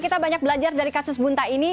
kita banyak belajar dari kasus bunta ini